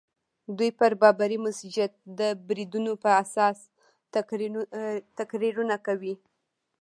دوی پر بابري مسجد د بریدونو په اساس تقریرونه کوي.